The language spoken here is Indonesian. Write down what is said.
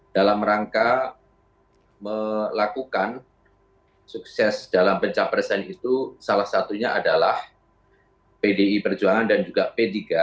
dalam rangka melakukan sukses dalam pencapresan itu salah satunya adalah pdi perjuangan dan juga p tiga